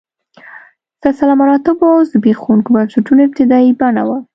سلسله مراتبو او زبېښونکو بنسټونو ابتدايي بڼه وه.